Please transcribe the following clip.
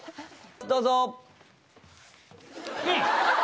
どうぞ！